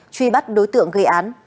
truy bắt đối tượng gây án